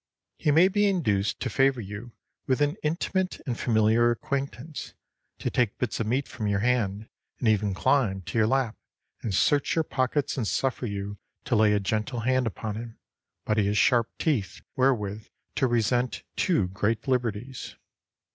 He may be induced to favor you with intimate and familiar acquaintance, to take bits of meat from your hand and even to climb to your lap and search your pockets and suffer you to lay a gentle hand upon him, but he has sharp teeth wherewith to resent too great liberties.